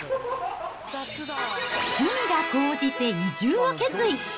趣味が高じて移住を決意。